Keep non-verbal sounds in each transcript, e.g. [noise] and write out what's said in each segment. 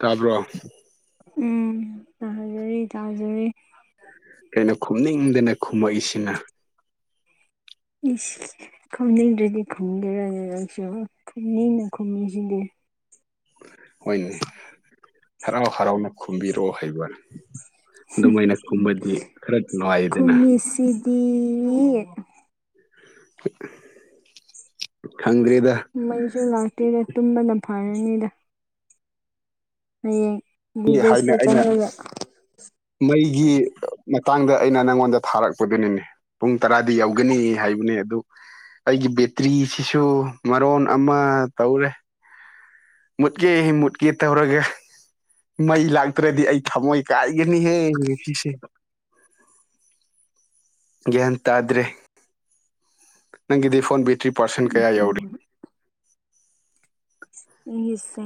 ꯇꯥꯕ꯭ꯔꯣ꯫ ꯎꯝ ꯇꯥꯖꯔꯤ ꯇꯥꯖꯔꯤ ꯀꯩꯅꯣ ꯈꯨꯝꯅꯤꯡꯗꯅ ꯈꯨꯝꯃꯛꯏꯁꯤꯅ꯫ ꯏꯁꯩ ꯈꯨꯝꯅꯤꯡꯗ꯭ꯔꯗꯤ ꯈꯨꯝꯒꯦꯔ ꯅꯪꯁꯨ ꯈꯨꯝꯅꯤꯡꯅ ꯈꯨꯝꯃꯤꯁꯤꯗꯤ꯫ ꯍꯣꯏꯅꯦ ꯍꯔꯥꯎ ꯍꯔꯥꯎꯅ ꯈꯨꯝꯕꯤꯔꯛꯑꯣ ꯍꯩꯕ꯫ ꯑꯗꯨꯃꯥꯏꯅ ꯈꯨꯝꯃꯗꯤ ꯈꯔ ꯅꯨꯡꯉꯥꯏꯗꯅ꯫ ꯏꯁꯤ ꯄꯤ ꯈꯪꯗ꯭ꯔꯤꯗ ꯃꯩꯁꯨ ꯂꯥꯛꯇꯦꯅꯦ ꯇꯨꯝꯕꯅ ꯐꯥꯔꯅꯤꯗ ꯍꯌꯦꯡ ꯍꯥꯏꯅ ꯒꯨꯒꯜꯁꯇ ꯑꯩꯅ ꯆꯪꯉꯒ ꯃꯩꯒꯤ ꯃꯇꯥꯡꯗ ꯑꯩꯅ ꯅꯪꯉꯣꯟꯗ ꯊꯥꯔꯛꯄꯗꯨꯅꯤꯅꯦ ꯄꯨꯡ ꯇꯔꯥꯗꯤ ꯌꯧꯒꯅꯤ ꯍꯥꯏꯕꯅꯦ ꯑꯗꯨ ꯑꯩꯒꯤ ꯕꯦꯇ꯭ꯔꯤꯁꯤꯁꯨ ꯃꯔꯣꯟ ꯑꯃ ꯇꯧꯔꯦ ꯃꯨꯠꯀꯦ ꯃꯨꯠꯀꯦ ꯇꯧꯔꯒ ꯃꯩ ꯂꯥꯛꯇ꯭ꯔꯗꯤ ꯑꯩ ꯊꯃꯣꯏ ꯀꯥꯏꯒꯅꯤꯍꯦ ꯁꯤꯁꯦ ꯒ꯭ꯌꯥꯟ ꯇꯥꯗ꯭ꯔꯦ ꯅꯪꯒꯤꯗꯤ ꯐꯣꯟ ꯕꯦꯇ꯭ꯔꯤ ꯄꯥꯔꯁꯦꯟ ꯀꯌꯥ ꯌꯥꯎꯔꯤ [unintelligible] ꯁꯦ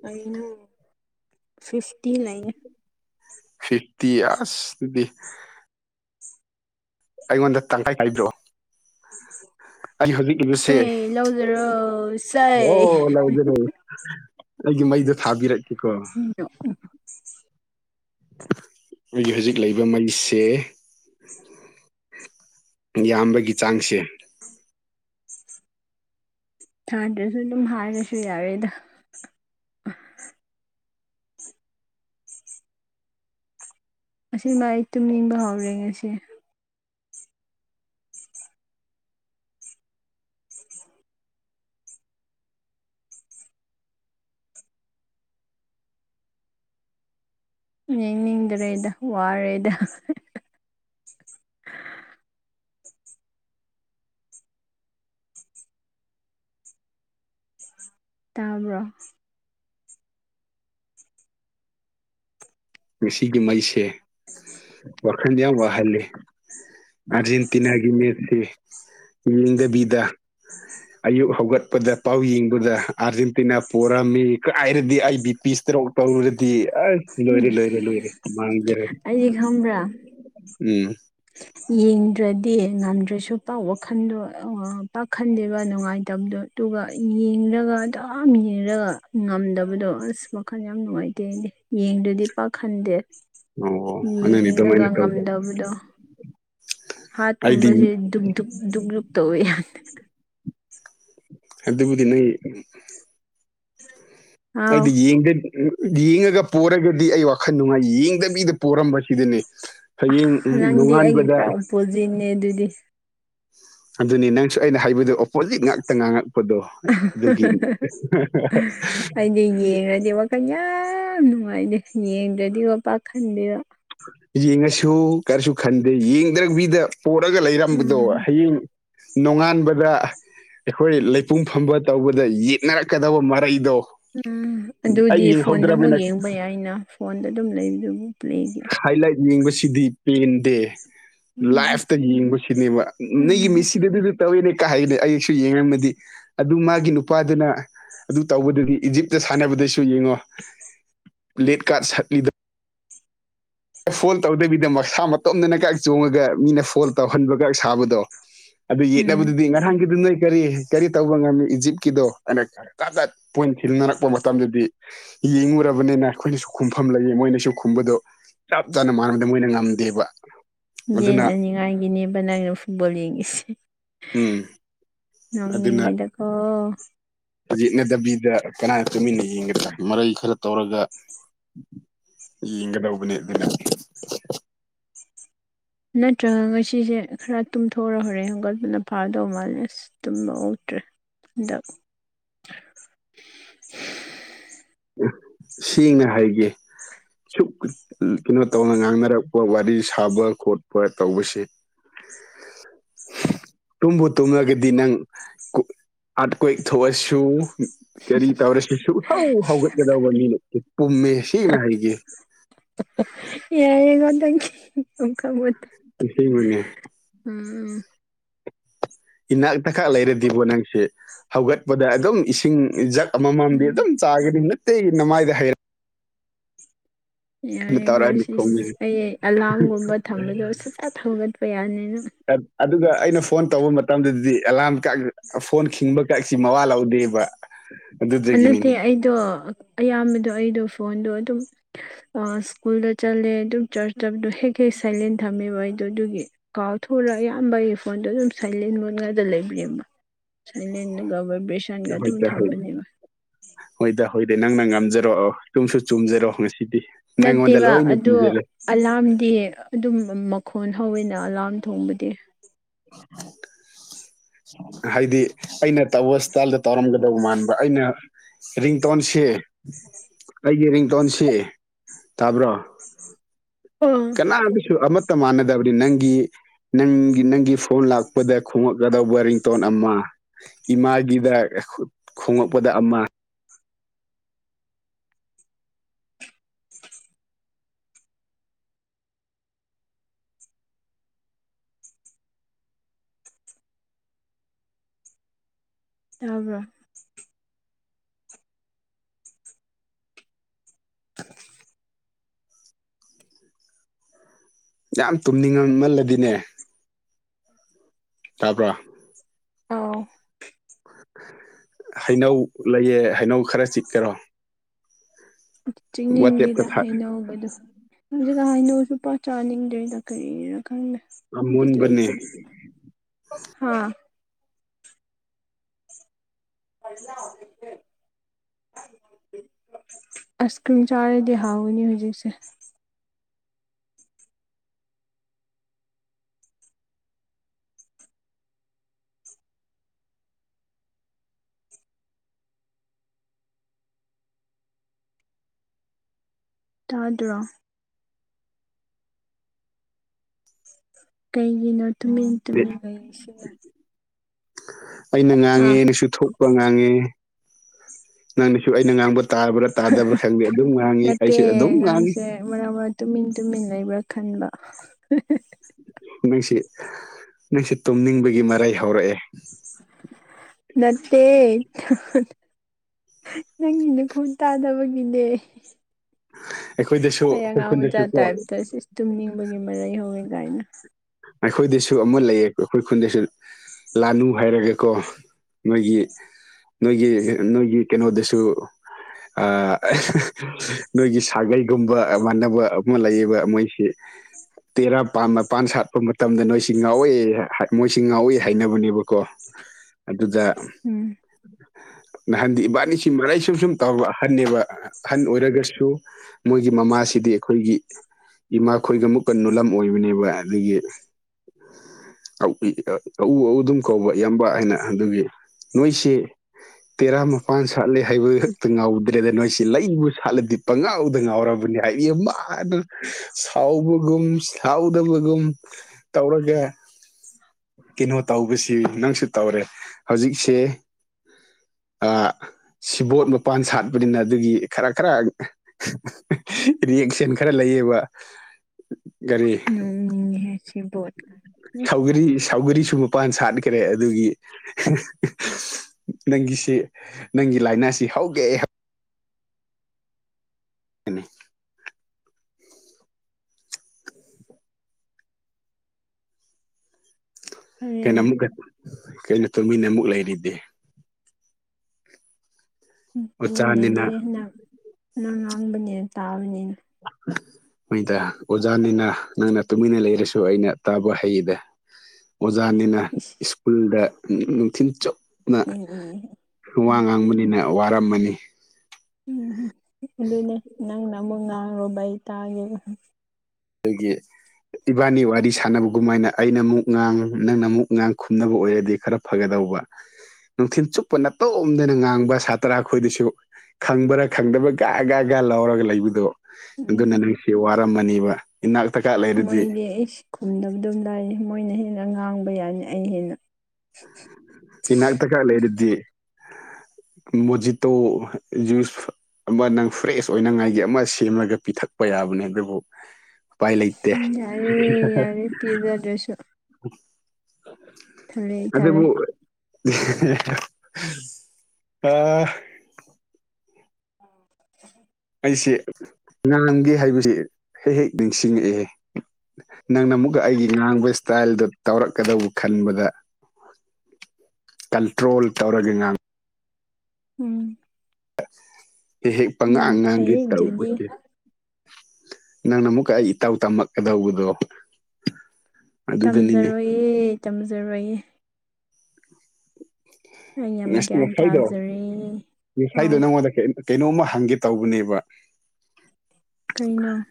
ꯀꯩꯅꯣ ꯐꯤꯐꯇꯤ ꯂꯩ ꯐꯤꯐꯇꯤ ꯑꯥꯁ ꯑꯗꯨꯗꯤ ꯑꯩꯉꯣꯟꯗ ꯇꯪꯈꯥꯏ ꯈꯥꯢꯗꯣꯛ [unintelligible] ꯑꯩ ꯍꯧꯖꯤꯛ ꯏꯪꯂꯤꯁꯦ ꯁꯦ ꯂꯧꯖꯔꯣ ꯁꯦ ꯑꯣ ꯂꯧꯒꯗꯧ ꯑꯩꯒꯤ ꯃꯩꯗꯣ ꯊꯥꯕꯤꯔꯦ ꯁꯤꯔꯣ ꯎꯝ ꯑꯩꯒꯤ ꯍꯧꯖꯤꯛ ꯂꯩꯕ ꯃꯩꯁꯦ ꯌꯥꯝꯕꯒꯤ ꯆꯥꯡꯁꯦ ꯊꯥꯗ꯭ꯔꯁꯨ ꯑꯗꯨꯝ ꯍꯥꯏꯔꯁꯨ ꯌꯥꯎꯔꯦꯗ ꯑꯁꯤꯃ ꯑꯩ ꯇꯨꯝꯅꯤꯡꯕ ꯍꯧꯔꯦ ꯉꯁꯤ ꯌꯦꯡꯅꯤꯡꯗ꯭ꯔꯦꯗ ꯋꯥꯔꯦꯗ ꯇꯥꯕ꯭ꯔꯣ ꯉꯁꯤꯒꯤ ꯃꯩꯁꯦ ꯋꯥꯈꯜꯗ ꯌꯥꯝ ꯋꯥꯍꯜꯂꯤ ꯑꯔꯖꯦꯟꯦꯟꯇꯤꯅꯒꯤ ꯃꯦꯇꯤ ꯌꯦꯡꯗꯕꯤꯗ [inaudible] ꯑꯌꯨꯛ ꯍꯧꯒꯠꯄꯗ ꯄꯥꯎ ꯌꯦꯡꯕꯗ ꯑꯥꯔꯖꯦꯟꯇꯤꯅꯥ ꯄꯣꯔꯝꯃꯤ ꯀꯥꯏꯔꯗꯤ ꯑꯩ ꯕꯤ ꯄꯤ ꯏꯁꯇ꯭ꯔꯣꯛ ꯇꯧꯔꯨꯔꯗꯤ ꯂꯣꯏꯔꯦ ꯂꯣꯏꯔꯦ ꯂꯣꯏꯔꯦ ꯃꯥꯡꯖꯔꯦ ꯑꯩꯗꯤ ꯈꯪꯕ꯭ꯔꯥ ꯎꯝ ꯌꯦꯡꯗ꯭ꯔꯗꯤ ꯉꯝꯗ꯭ꯔꯁꯨ ꯄꯥꯛ ꯋꯥꯈꯟꯗꯣ ꯄꯥꯛꯈꯟꯗꯦꯕ ꯅꯨꯡꯉꯥꯏꯇꯕꯗꯣ ꯑꯗꯨꯒ ꯌꯦꯡꯂꯒ ꯗꯨꯝ ꯌꯦꯡꯔꯒ ꯉꯝꯗꯕꯗꯣ ꯑꯁ ꯋꯈꯜ ꯌꯥꯝ ꯅꯨꯡꯉꯥꯏꯇꯦ ꯑꯩꯗꯤ ꯌꯦꯡꯗ꯭ꯔꯗꯤ ꯄꯥꯛꯈꯟꯗꯦ ꯑꯣ ꯑꯗꯨꯅꯤ ꯌꯦꯡꯂꯒ ꯑꯗꯨꯃꯥꯏꯅ ꯇꯧꯕ ꯉꯝꯗꯕꯗꯣ ꯑꯩꯗꯤ ꯍꯥ꯭ꯔꯠꯀꯨꯝꯕꯁꯦ ꯗꯨꯛ ꯗꯨꯛ ꯇꯧꯋꯦ ꯌꯥꯗꯦ ꯑꯗꯨꯕꯨꯗꯤ ꯅꯣꯢ ꯑꯥꯎ ꯑꯩꯗꯤ ꯌꯦꯡꯗꯦ ꯎꯝ ꯌꯦꯡꯉꯒ ꯄꯣꯔꯒꯗꯤ ꯑꯩ ꯋꯥꯈꯜ ꯅꯨꯡꯉꯥꯏ ꯌꯦꯡꯗꯕꯤꯗ ꯄꯣꯔꯝꯕꯁꯤꯗꯅꯤ ꯍꯌꯦꯡ ꯅꯣꯡꯉꯥꯟꯕꯗ ꯄꯣꯖꯤꯅꯦ ꯑꯗꯨꯗꯤ ꯑꯗꯨꯅꯤ ꯅꯪꯁꯨ ꯑꯩꯅ ꯍꯥꯏꯕꯗꯨ ꯑꯣꯄꯣꯖꯤꯠ ꯉꯥꯛꯇ ꯉꯥꯡꯉꯛꯄꯗꯣ ꯑꯗꯨꯒꯤ [unintelligible] ꯑꯩꯗꯤ ꯌꯦꯡꯉꯗꯤ ꯀꯩ ꯌꯥꯝ ꯅꯨꯡꯉꯥꯏꯗꯦ ꯌꯦꯡꯗ꯭ꯔꯗꯤ ꯄꯥꯛ ꯈꯟꯗꯦꯕ ꯌꯦꯡꯉꯁꯨ ꯀꯔꯤꯁꯨ ꯈꯟꯗꯦ ꯌꯦꯡꯗ꯭ꯔꯕꯤꯗ ꯄꯨꯔꯥꯒ ꯂꯩꯔꯝꯕꯗꯣ ꯎꯝ ꯍꯌꯦꯡ ꯅꯣꯡꯉꯥꯟꯕꯗ ꯑꯩꯈꯣꯏ ꯂꯩꯄꯨꯡ ꯐꯝꯕ ꯇꯧꯕꯗ ꯌꯦꯠꯅꯔꯛꯀꯗꯕ ꯃꯔꯩꯗꯣ ꯎꯝ ꯑꯗꯨꯗꯤ ꯑꯩ ꯐꯣꯟꯗ ꯑꯃꯨꯛ ꯌꯦꯡꯍꯧꯗ꯭ꯔꯕꯅꯤꯅ ꯌꯦꯡꯕ ꯌꯥꯏꯅ ꯐꯣꯟꯗ ꯑꯗꯨꯝ ꯂꯩꯕꯗꯨꯕꯨ ꯂꯩꯒꯦ ꯍꯥꯏꯂꯥꯏꯠ ꯌꯦꯡꯕꯁꯤꯗꯤ ꯄꯦꯟꯗꯦ ꯎꯝ ꯂꯥꯏ꯭ꯐꯇ ꯌꯦꯡꯕꯁꯤꯅꯦꯕ ꯎꯝ ꯅꯣꯏꯒꯤ ꯃꯤꯁꯤꯗꯨꯗꯤꯗꯤ ꯇꯧꯋꯤꯅꯦ ꯀꯥꯏ ꯍꯥꯏꯗꯤ ꯑꯩꯁꯨ ꯌꯦꯡꯉꯝꯃꯗꯤ ꯑꯗꯨ ꯃꯥꯒꯤ ꯅꯨꯄꯥꯗꯨꯅ ꯑꯗꯨ ꯇꯧꯕꯗꯗꯤ ꯏꯖꯤꯞꯇ ꯁꯥꯟꯅꯕꯗꯁꯨ ꯌꯦꯡꯉꯣ ꯂꯦꯠ ꯀꯥ꯭ꯔꯠ ꯁꯠꯂꯤꯗꯣ ꯐꯣꯜ ꯇꯧꯗꯕꯤꯗ ꯃꯁꯥ ꯃꯇꯣꯝꯗꯅ ꯀ ꯆꯣꯡꯉꯒ ꯃꯤꯅ ꯐꯣꯜ ꯇꯧꯍꯟꯕꯒ ꯁꯥꯕꯗꯣ ꯑꯗꯨ ꯎꯝ ꯌꯦꯠꯅꯕꯗꯨꯗꯤ ꯉꯍꯥꯡꯒꯤꯗꯨ ꯅꯣꯏ ꯀꯔꯤ ꯀꯔꯤ ꯇꯧꯕ ꯉꯝꯃꯤ ꯏꯖꯤꯞꯀꯤꯗꯣ ꯑꯅꯛ ꯇꯗꯠ ꯄꯣꯏꯟ ꯈꯤꯜꯅꯔꯛꯄ ꯃꯇꯝꯗꯨꯗꯤ ꯌꯦꯡꯉꯨꯔꯕꯅꯤꯅ ꯑꯩꯈꯣꯏꯅꯁꯨ ꯈꯨꯝꯐꯝ ꯂꯩꯌꯦ ꯃꯣꯏꯅꯁꯨ ꯈꯨꯝꯕꯗꯣ ꯆꯞ ꯆꯥꯅ ꯃꯅꯕꯗ ꯃꯣꯏꯅ ꯉꯝꯗꯦꯕ ꯌꯦꯟ ꯑꯗꯨꯅ ꯑꯅꯤꯉꯥꯏꯒꯤꯅꯦꯕꯅ ꯅꯪꯅ ꯐꯨꯠꯕꯣꯜ ꯌꯦꯡꯉꯤꯁꯦ ꯎꯝ ꯑꯗꯨꯅ ꯅꯣꯛꯅꯤꯡꯉꯦꯗꯀꯣ ꯌꯦꯠꯅꯗꯕꯤꯗ ꯀꯅꯥꯅ ꯇꯨꯃꯤꯟꯅ ꯌꯦꯡꯒꯗ꯭ꯔꯥ ꯃꯔꯩ ꯈꯔ ꯇꯧꯔꯒ ꯌꯦꯡꯒꯗꯧꯕꯅꯦ ꯑꯗꯨꯅ ꯅꯠꯇ꯭ꯔꯒ ꯉꯁꯤꯖꯦ ꯈꯔ ꯇꯨꯝꯊꯣꯑꯣꯔ ꯍꯣꯔꯦꯟ ꯍꯧꯒꯠꯄꯅ ꯐꯥꯗꯧ ꯃꯥꯜꯂꯦꯁ ꯇꯨꯝꯕ ꯑꯣꯛꯇ꯭ꯔꯦ ꯍꯟꯗꯛ ꯁꯦꯡꯅ ꯍꯥꯏꯒꯦ ꯑꯁꯨꯛ ꯀꯩꯅꯣ ꯇꯧꯅ ꯉꯥꯡꯅꯔꯛꯄ ꯋꯥꯔꯤ ꯁꯥꯕ ꯈꯣꯠꯄ ꯇꯧꯕꯁꯦ [unintelligible] ꯇꯨꯝꯕꯨ ꯇꯨꯝꯂꯒꯗꯤ ꯅꯪ ꯀꯨꯛ ꯑꯥꯔꯀ꯭ꯋꯦꯛ ꯊꯣꯛꯑꯁꯨ ꯀꯔꯤ ꯇꯧꯔꯁꯨ ꯁꯨꯛꯍꯧ ꯍꯧꯒꯠꯀꯗꯧꯕ ꯃꯤ ꯅꯠꯇꯦ ꯄꯨꯝꯃꯦ ꯁꯦꯡꯅ ꯍꯥꯏꯒꯦ ꯌꯥꯔꯦꯀꯣ ꯅꯪꯒꯤ ꯑꯝ ꯈꯪꯕꯣꯟꯗꯦ ꯑꯁꯦꯡꯕꯅꯦ ꯎꯝ ꯏꯅꯥꯛꯇ ꯈꯛ ꯂꯩꯔꯗꯤꯕꯣ ꯅꯪꯁꯦ ꯍꯧꯒꯠꯄꯗ ꯑꯗꯨꯝ ꯏꯁꯤꯡ ꯖꯛ ꯑꯃꯝꯃꯝꯗꯤ ꯎꯝ ꯑꯗꯨꯝ ꯆꯥꯒꯅꯤ ꯅꯨꯠꯇꯤꯒꯤ ꯅꯃꯥꯏꯗ ꯍꯩꯔ ꯌꯥꯔꯦꯒꯣ ꯇꯧꯔꯛꯑꯅꯤ ꯁꯤꯍ ꯈꯣꯡꯁꯦ ꯑꯩ ꯑꯂꯥꯝꯒꯨꯝꯕ ꯊꯝꯕꯗꯣ ꯁꯨꯊꯠ ꯍꯧꯒꯠꯄ ꯌꯥꯅꯦꯅ ꯑꯠ ꯑꯗꯨꯒ ꯑꯩꯅ ꯐꯣꯟ ꯇꯧꯕ ꯃꯇꯝꯗꯗꯤ ꯑꯦꯂꯥꯝ ꯀꯥꯛ ꯐꯣꯟ ꯈꯤꯡꯕ ꯀꯥꯏꯁꯤ ꯃꯋꯥ ꯂꯧꯗꯦꯕ ꯑꯗꯨꯠ ꯑ ꯅꯠꯇꯦ ꯑꯩꯗꯣ ꯑꯌꯥꯝꯕꯗꯣ ꯑꯩꯗꯣ ꯐꯣꯟꯗꯣ ꯑꯗꯨꯝ ꯑ ꯁ꯭ꯀꯨꯜꯗ ꯆꯠꯂꯦ ꯑꯗꯨꯝ ꯆ꯭ꯔꯆ ꯆꯠꯄꯗꯣ ꯍꯦꯛ ꯍꯦꯛ ꯁꯥꯏꯂꯦꯟ ꯊꯝꯃꯦꯕ ꯑꯩꯗꯣ ꯑꯗꯨꯒꯤ ꯀꯥꯎꯊꯣꯛꯎꯔ ꯑꯌꯥꯝꯕ ꯑꯩ ꯐꯣꯟꯗꯣ ꯑꯗꯨꯝ ꯁꯥꯏꯂꯦꯟ ꯃꯣꯟ ꯉꯥꯇ ꯂꯩꯕꯅꯦꯕ ꯁꯥꯏꯂꯦꯟꯗ ꯒꯕ꯭ꯔꯕꯦꯁꯟꯒ ꯑꯗꯨꯝ ꯍꯣꯏꯗ ꯍꯣꯏ ꯊꯝꯕꯅꯦꯕ ꯍꯣꯏꯗ ꯍꯣꯏꯗ ꯅꯪꯅ ꯉꯝꯖꯔꯣ ꯆꯨꯝꯁꯨ ꯆꯨꯝꯖꯔꯣ ꯉꯁꯤꯗꯤ ꯅꯪꯉꯣꯟꯗ ꯂꯣꯏꯅ ꯄꯤꯒꯦꯅꯦ ꯑꯂꯥꯝꯗꯤ ꯑꯗꯨꯝ ꯃꯈꯣꯟ ꯍꯧꯋꯦꯅ ꯑꯂꯥꯝ ꯊꯣꯡꯕꯗꯤ ꯍꯥꯏꯗꯤ ꯑꯩꯅ ꯇꯧꯕ ꯏꯁꯇꯥꯏꯜꯗ ꯇꯧꯔꯝꯒꯗꯧꯕ ꯃꯥꯟꯕ ꯑꯩꯅ ꯔꯤꯡꯇꯣꯟꯁꯦ ꯑꯩꯒꯤ ꯔꯤꯡꯇꯣꯟꯁꯦ ꯇꯥꯕ꯭ꯔꯣ ꯑ ꯑꯥ ꯑꯗꯨꯁꯨ ꯑꯃꯠꯇ ꯃꯥꯟꯅꯗꯕꯅꯤ ꯅꯪꯒꯤ ꯅꯪꯒꯤ ꯅꯪꯒꯤ ꯐꯣꯟ ꯂꯥꯛꯄꯗ ꯈꯣꯡꯉꯛ ꯅꯗꯧꯕ ꯔꯤꯡꯇꯣꯟ ꯑꯃꯥ ꯏꯃꯥꯒꯤꯗ ꯈꯣꯉꯛꯄꯗ ꯑꯃ ꯇꯥꯕ꯭ꯔꯣ [inaudible] ꯌꯥꯝ ꯇꯨꯝꯅꯤꯡꯉꯝꯃꯜꯂꯗꯤꯅꯦ ꯇꯥꯕ꯭ꯔꯥ ꯑꯥꯎ ꯍꯩꯅꯧ ꯂꯩꯌꯦ ꯍꯩꯅꯧ ꯈꯔ ꯆꯤꯛꯀꯦꯔꯣ ꯋꯥꯆꯦꯞꯇ ꯆꯤꯛꯅꯤꯡꯗꯤꯗ ꯊꯥ ꯍꯩꯅꯧꯕꯗꯣ ꯍꯧꯖꯤꯛꯀꯥꯟ ꯍꯩꯅꯧꯁꯨ ꯄꯥꯛ ꯆꯥꯅꯤꯡꯗ꯭ꯔꯦꯗ ꯀꯔꯤꯒꯤꯔ ꯈꯪꯗꯦ ꯕꯤꯠ ꯑꯃꯨꯟꯕꯅꯦ ꯂꯩꯇꯦ ꯍꯥꯥ [unintelligible] ꯑꯥꯏꯁ ꯀ꯭ꯔꯤꯝ ꯆꯥꯔꯗꯤ ꯍꯥꯎꯋꯅꯤ ꯍꯧꯖꯤꯛꯁꯦ ꯇꯥꯗꯨ꯭ꯔꯣ ꯀꯩꯒꯤꯅꯣꯠꯇꯃꯤꯇꯃꯤꯒꯩꯁꯤ ꯑꯩꯅ ꯍꯥ ꯉꯥꯡꯉꯦ ꯅꯪꯁꯨ ꯊꯣꯛꯄ ꯉꯥꯡꯉꯦ ꯅꯪꯅꯁꯨ ꯑꯩꯅ ꯉꯥꯡꯕ ꯇꯥꯕ꯭ꯔꯥ ꯇꯥꯗꯕ꯭ꯔꯥ ꯈꯪꯗꯦ ꯑꯗꯨꯝ ꯉꯥꯡꯉꯤ ꯑꯩꯁꯨ ꯑꯗꯨꯝ ꯉꯥꯡꯉꯤ ꯃꯔꯥꯡ ꯃꯔꯥꯡ ꯇꯨꯃꯤꯟ ꯇꯨꯃꯤꯟ ꯂꯩꯕ꯭ꯔꯥ ꯈꯟꯕ ꯅꯪꯁꯤ ꯅꯪꯁꯤ ꯇꯨꯝꯅꯤꯡꯕꯒꯤ ꯃꯔꯥꯏ ꯍꯧꯔꯛꯑꯦ ꯅꯠꯇꯦ ꯅꯪꯒꯤꯅ ꯈꯨꯠ ꯇꯥꯗꯕꯒꯤꯅꯦ ꯑꯩꯈꯣꯏꯗꯁꯨ ꯑꯩꯕꯨ ꯑꯩꯈꯣꯏ ꯑꯉꯥꯡ ꯃꯆꯥ ꯈꯨꯟꯗꯁꯨ ꯀꯣ ꯇꯥꯞꯇ ꯏꯁꯁ ꯇꯨꯝꯅꯤꯡꯕꯒꯤ ꯃꯔꯩ ꯍꯧꯋꯦ ꯀꯥꯏꯅ ꯑꯩꯈꯣꯏꯗꯁꯨ ꯑꯃ ꯂꯩꯌꯦ ꯑꯩꯈꯣꯏ ꯈꯨꯟꯗꯁꯨ ꯂꯥꯅꯨ ꯍꯥꯏꯔꯒꯀꯣ ꯃꯣꯏꯒꯤ ꯅꯣꯏꯒꯤ ꯅꯣꯏꯒꯤ ꯀꯩꯅꯣꯗꯁꯨ ꯅꯣꯏꯒꯤ ꯁꯥꯒꯩꯒꯨꯝꯕ ꯃꯥꯟꯅꯕ ꯑꯃ ꯂꯩꯌꯦꯕ ꯃꯣꯏꯁꯤ ꯇꯦꯔꯥ ꯃꯄꯥꯟ ꯁꯥꯠ ꯄ ꯃꯇꯝꯗ ꯅꯣꯏꯁꯤ ꯉꯥꯎꯏꯤ ꯃꯣꯏꯁꯤ ꯉꯥꯎꯏ ꯍꯥꯏꯅꯕꯅꯦꯕꯀꯣ ꯑꯗꯨꯗ ꯎꯝ ꯅꯍꯥꯟꯗꯤ ꯏꯕꯥꯅꯤꯁꯤ ꯃꯔꯩ ꯁꯨꯝ ꯁꯨꯝ ꯇꯧꯕ ꯍꯟꯅꯦꯕ ꯑꯍꯟ ꯑꯣꯏꯔꯒꯁꯨ ꯃꯣꯏꯒꯤ ꯃꯃꯥꯁꯤꯗꯤ ꯑꯩꯈꯣꯏꯒꯤ ꯏꯃꯥ ꯈꯣꯏꯒ ꯃꯨꯛꯀ ꯅꯣꯂꯝ ꯑꯣꯏꯕꯅꯦꯕ ꯑꯗꯒꯤ [unintelligible] ꯑꯎ ꯑꯎ ꯑꯗꯨꯝ ꯀꯧꯕ ꯏꯌꯥꯝꯕ ꯍꯥꯏꯅ ꯑꯗꯨꯒꯤ ꯅꯣꯏꯁꯤ ꯇꯦꯔꯥ ꯃꯄꯥꯟ ꯁꯥꯠꯂꯦ ꯍꯥꯏꯕ ꯈꯛꯇ ꯉꯥꯎꯗ꯭ꯔꯦꯗ ꯅꯣꯏꯁꯤ ꯂꯩꯕꯨ ꯁꯥꯠꯂꯗꯤ ꯄꯉꯥꯎꯗ ꯉꯥꯎꯔꯕꯅꯤ ꯍꯥꯏꯗꯤ ꯃꯥꯅ ꯁꯥꯎꯕꯒꯨꯝꯥꯎꯗꯕꯒꯨꯝ ꯇꯧꯔꯒꯦ ꯀꯩꯅꯣ ꯇꯧꯕꯁꯤ ꯅꯪꯁꯨ ꯇꯧꯔꯦ ꯍꯧꯖꯤꯛꯁꯦ ꯑ ꯁꯤꯕꯣꯠ ꯃꯄꯥꯟ ꯁꯥꯠꯄꯅꯤꯅ ꯑꯗꯨꯒꯤ ꯈꯔ ꯈꯔ ꯔꯤꯌꯦꯛꯁꯟ ꯈꯔ ꯂꯩꯌꯦꯕ ꯀꯔꯤ [unintelligible] ꯁꯤꯕꯣꯠ ꯁꯥꯎꯒꯔꯤ ꯁꯥꯎꯒꯔꯤꯁꯨ ꯃꯄꯥꯟ ꯁꯥꯠꯈ꯭ꯔꯦ ꯑꯗꯨꯒꯤ ꯅꯪꯒꯤꯁꯤ ꯅꯪꯒꯤ ꯂꯥꯏꯅꯥꯁꯤ ꯍꯧꯒꯦ [unintelligible] ꯀꯩꯅꯣ ꯐꯔꯦꯅ ꯑꯃꯨꯛꯀ ꯀꯩꯅꯣ ꯇꯨꯃꯤꯟꯅ ꯑꯃꯨꯛ ꯂꯩꯔꯤꯗꯤ ꯇꯨꯃꯤꯟ ꯂꯩꯗꯦ ꯑꯣꯖꯥꯅꯤꯅ ꯍꯟꯅ ꯑ ꯉꯥꯡꯕꯅꯤꯅ ꯇꯥꯕꯅꯤꯅ [unintelligible] ꯃꯣꯏꯗ ꯑꯣꯖꯥꯅꯤꯅ ꯅꯪꯅ ꯇꯨꯃꯤꯟꯅ ꯂꯩꯔꯁꯨ ꯑꯩꯅ ꯇꯥꯕ ꯍꯩꯗ ꯑꯣꯖꯥꯅꯤꯅ [unintelligible] ꯁ꯭ꯀꯨꯜꯗ ꯅꯨꯡꯊꯤꯟ ꯆ ꯎꯝ ꯋꯥ ꯉꯥꯡꯕꯅꯤꯅ ꯋꯥꯔꯝꯃꯅꯤ ꯎꯝꯝ ꯑꯗꯨꯅꯦ ꯅꯪꯅ ꯑꯃꯨꯛ ꯉꯥꯡꯔꯨꯕꯩ ꯇꯥꯒꯦ ꯑꯩꯈꯣꯏꯒꯤ ꯏꯕꯥꯅꯤ ꯋꯥꯔꯤ ꯁꯥꯟꯅꯕꯒꯨꯝꯃꯥꯏꯅ ꯑꯩꯅ ꯑꯃꯨꯛ ꯉꯥꯡ ꯅꯪꯅ ꯑꯃꯨꯛ ꯉꯥꯡ ꯈꯨꯝꯅꯕ ꯑꯣꯏꯔꯗꯤ ꯈꯔ ꯐꯒꯗꯧꯕ ꯅꯨꯡꯊꯤꯜ ꯆꯨꯞꯄ ꯅꯥꯇꯣꯝꯗꯅ ꯉꯥꯡꯕ ꯁꯥꯇ꯭ꯔ ꯑꯩꯈꯣꯏꯗꯨꯁꯨ ꯈꯪꯕ꯭ꯔꯥ ꯈꯪꯗꯕ꯭ꯔꯥ ꯒꯒꯒ ꯂꯧꯔꯒ ꯂꯩꯕꯗꯣ ꯑꯗꯨꯅ ꯎꯝ ꯅꯪꯁꯤ ꯋꯥꯔꯝꯃꯅꯦꯕ ꯏꯅꯥ ꯇꯦꯂꯦ ꯃꯣꯏꯗꯤ ꯈꯨꯝꯗꯕ ꯑꯗꯨꯝ ꯂꯥꯏꯅꯤ ꯃꯣꯏꯅ ꯍꯦꯟꯅ ꯉꯥꯡꯕ ꯌꯥꯅꯤ ꯑꯩ ꯍꯦꯟꯅ ꯆꯤꯅꯗꯒꯥ ꯂꯩꯔꯗꯤ ꯃꯣꯖꯤꯇꯣ ꯖꯨꯁ ꯑꯃ ꯅꯪ ꯐ꯭ꯔꯦꯁ ꯑꯣꯏꯅꯉꯥꯏꯒꯤ ꯑꯃ ꯁꯦꯝꯂꯒ ꯄꯤꯊꯛꯄ ꯌꯥꯕꯅꯦ ꯑꯗꯨꯕꯨ ꯎꯄꯥꯏ ꯂꯩꯇꯦ ꯝ ꯌꯥꯔꯦ ꯌꯥꯔꯦ ꯄꯤꯖꯥ ꯗ꯭ꯔꯦꯁ ꯑ ꯊꯅ ꯊꯂꯦ ꯑ ꯎ ꯑꯩꯁꯤ ꯉꯥꯡꯒꯦ ꯍꯥꯏꯕꯁꯤ ꯍꯦꯛ ꯍꯦꯛ ꯅꯤꯡꯁꯤꯡꯉꯛꯑꯦ ꯅꯪꯅ ꯑꯃꯨꯛꯀ ꯑꯩꯒꯤ ꯉꯥꯡꯕ ꯏꯁꯇꯥꯏꯜꯗ ꯇꯧꯔꯛꯀꯗꯧꯕ ꯈꯟꯕꯗ ꯀꯟꯇ꯭ꯔꯣꯜ ꯇꯧꯔꯒꯉ ꯎꯝ ꯍꯦꯛ ꯍꯦꯛ ꯌꯥꯝ ꯄꯪꯉꯥꯡ ꯉꯉꯥꯡꯒꯤꯦ ꯐꯩꯌꯦ ꯇꯔꯨꯛ ꯑꯗꯨꯗꯤ ꯑꯣꯏꯁ ꯅꯪꯅ ꯑꯃꯨꯛꯀ ꯑꯩ ꯏꯇꯥꯎ ꯇꯝꯃꯛꯀꯗꯧꯕꯗꯣ ꯑꯗꯨꯗꯅꯤꯅꯦ ꯇꯝꯖꯔꯣꯏꯌꯦꯦ ꯇꯝꯖꯔꯣꯏꯌꯦ ꯑꯩ ꯌꯥꯝ ꯉ ꯒ꯭ꯌꯥꯟ ꯉꯥꯏꯗꯣ ꯇꯥꯖꯔꯦ ꯉꯁꯥꯏꯗꯣ ꯑꯥꯎ ꯅꯪꯉꯣꯟꯗ ꯀꯩꯅꯣꯝꯃ ꯍꯪꯒꯦ ꯇꯧꯕꯅꯦꯕ ꯀꯩꯅꯣ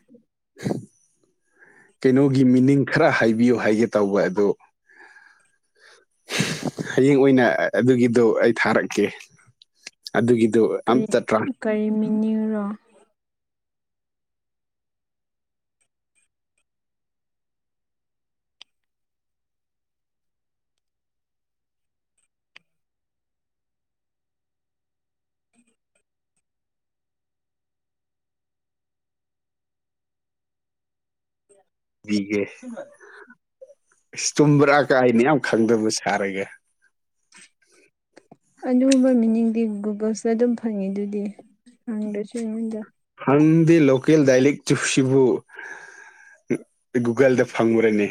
ꯀꯩꯅꯣꯒꯤ ꯃꯤꯅꯤꯡ ꯈꯔ ꯍꯥꯏꯕꯤꯌꯨ ꯍꯥꯏꯒꯦ ꯇꯧꯕ ꯑꯗꯣ ꯍꯌꯦꯡ ꯑꯣꯏꯅ ꯑꯗꯨꯒꯤꯗꯣ ꯑꯩ ꯊꯥꯔꯛꯀꯦ ꯑꯗꯨꯒꯤꯗꯨ ꯀꯔꯤ ꯑꯇꯠꯇ꯭ꯔꯣ ꯀꯔꯤ ꯃꯤꯅꯤꯡꯨꯔꯣ ꯄꯕꯤꯒꯦ ꯇꯨꯝꯕ꯭ꯔꯥ ꯀꯥꯏꯅ ꯌꯥꯝ ꯈꯪꯗꯕ ꯁꯥꯔꯒꯦ [unintelligible] ꯑꯗꯨꯒꯨꯝꯕ ꯃꯤꯅꯤꯡꯗꯤ ꯒꯨꯒꯜꯁꯤꯗ ꯑꯗꯨꯝ ꯐꯪꯉꯤ ꯑꯗꯨꯗꯤ ꯍꯪꯗ꯭ꯔꯁꯨ ꯑꯩꯉꯣꯟꯗ ꯍꯪꯗꯦ ꯂꯣꯀꯦꯜ ꯗꯥꯏꯂꯦꯛ ꯆꯨꯞꯁꯤꯕꯨ ꯒꯨꯒꯜꯗ ꯐꯪꯉꯨꯔꯅꯦ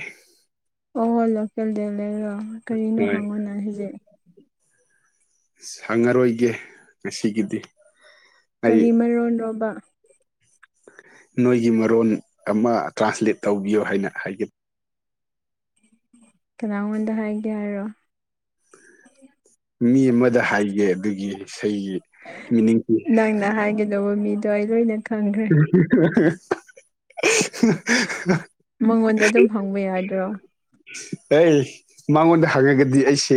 ꯑꯣ ꯂꯣꯀꯦꯜꯗ ꯂꯩꯔꯣ ꯀꯔꯤꯅꯣ ꯍꯣꯏ ꯍꯪꯉꯣ ꯅ ꯍꯧꯖꯤꯛ ꯁꯪꯉꯔꯣꯏꯒꯦ ꯉꯁꯤꯒꯤꯗꯤ ꯑꯩ ꯀꯔꯤ ꯃꯔꯣ ꯔꯣꯕ ꯅꯣꯏꯒꯤ ꯃꯔꯣꯟ ꯑꯃ ꯇ꯭ꯔꯥꯟꯁꯂꯦꯠ ꯇꯧꯕꯤꯌꯣ ꯍꯥꯏꯅ ꯍꯥꯏꯒꯅꯤ ꯀꯅꯥꯉꯣꯟꯗ ꯍꯥꯏꯒꯦ ꯍꯥꯏꯔꯣ ꯃꯤ ꯑꯃꯗ ꯍꯥꯏꯒꯦ ꯑꯗꯨꯒꯤ ꯏꯁꯩꯒꯤ ꯃꯤꯅꯤꯡꯁꯤ ꯅꯪꯅ ꯍꯥꯏꯒꯗꯧꯕ ꯃꯤꯗꯣ ꯑꯩ ꯂꯣꯏꯅ ꯈꯪꯈ꯭ꯔꯦ ꯃꯉꯣꯟꯗ ꯑꯗꯨꯝ ꯍꯪꯕ ꯌꯥꯗ꯭ꯔꯣ [inaudible] ꯑꯦ ꯃꯉꯣꯟꯗ ꯍꯪꯉꯒꯗꯤ ꯑꯩꯁꯦ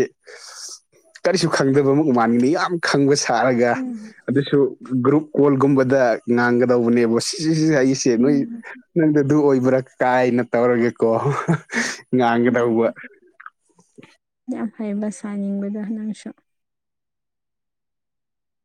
ꯀꯔꯤꯁꯨ ꯈꯪꯗꯕ ꯑꯃ ꯎꯃꯥꯟꯅꯤꯡꯗꯦ ꯌꯥꯝ ꯈꯪꯕ ꯁꯥꯔꯒ ꯎꯝ ꯑꯗꯨꯁꯨ ꯒ꯭ꯔꯨꯞ ꯀꯣꯜꯒꯨꯝꯕꯗ ꯉꯥꯡꯒꯗꯧꯕꯅꯦꯕ ꯁꯤꯁꯤ ꯍꯥꯏꯔꯤꯁꯦ ꯅꯣꯏ ꯎꯝ ꯅꯪꯗ ꯑꯗꯨ ꯑꯣꯏꯕ꯭ꯔꯥ ꯀꯥꯏꯅ ꯇꯧꯔꯒꯦꯀꯣ ꯎꯝ ꯉꯥꯡꯒꯗꯧꯕ ꯌꯥꯝ ꯍꯩꯕ ꯁꯥꯅꯤꯡꯕꯗꯣ ꯅꯪꯁꯨ